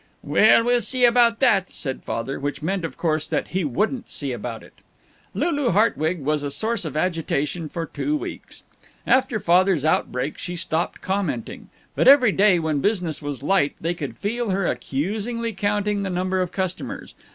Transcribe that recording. "Well, we'll see about that," said Father which meant, of course, that he wouldn't see about it. Lulu Hartwig was a source of agitation for two weeks. After Father's outbreak she stopped commenting, but every day when business was light they could feel her accusingly counting the number of customers.